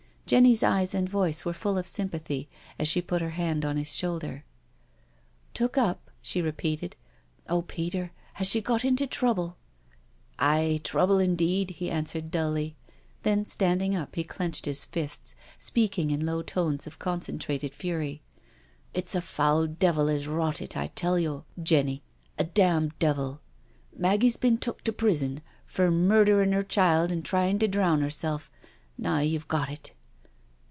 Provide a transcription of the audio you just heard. Jenny's eyes and voice were full of sympathy as she put her hand on his shoulder. "Took up?" she repeated. "Oh, Peter— has she got into trouble?'^ " Aye— trouble, indeed," he smswered dully. Then, standing up, he clenched his fists, speaking in low tones of concentrated fury: " It's a foul devil 'as wrought it, I tell yo', Jenny —a damned devil. Maggie's bin took to prison for murderin' 'er child an' tryin' to drown 'erself— now you've got it."